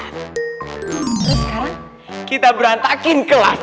terus sekarang kita berantakin kelas